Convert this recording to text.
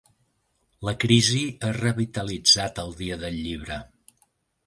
La crisi ha revitalitzat el dia del llibre.